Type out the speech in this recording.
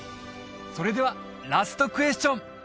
それではラストクエスチョン！